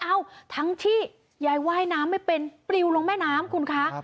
เอ้าทั้งที่ยายว่ายน้ำไม่เป็นปลิวลงแม่น้ำคุณคะ